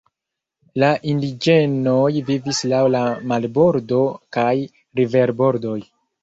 La indiĝenoj vivis laŭ la marbordo kaj riverbordoj.